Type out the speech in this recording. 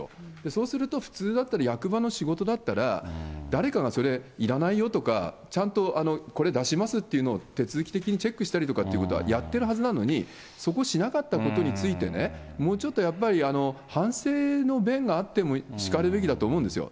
そうすると、普通だったら役場の仕事だったら、誰かが、それいらないよとか、ちゃんとこれ出しますというのを、手続き的にチェックしたりということはやっているはずなのに、そこしなかったことについてね、もうちょっとやっぱり、反省の弁があってもしかるべきだと思うんですよ。